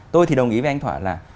tôi thì đồng ý với anh thỏa là